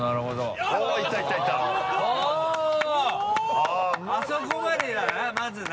あそこまでだなまずな。